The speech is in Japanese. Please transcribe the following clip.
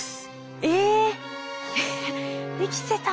生きてた。